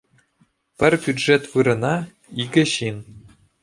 Пӗр бюджет вырӑна — икӗ ҫын